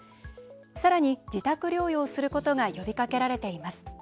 さらに、自宅療養することが呼びかけられています。